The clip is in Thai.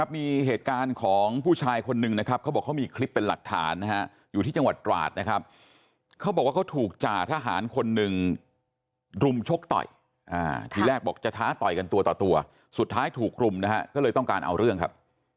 มีเหตุการณ์ของผู้ชายคนหนึ่งนะครับเขาบอกเขามีคลิปเป็นหลักฐานนะฮะอยู่ที่จังหวัดตราดนะครับเขาบอกว่าเขาถูกจ่าทหารคนหนึ่งรุมชกต่อยทีแรกบอกจะท้าต่อยกันตัวต่อตัวสุดท้ายถูกรุมนะฮะก็เลยต้องการเอาเรื่องครับ